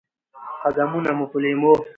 قدمونه مو په لېمو،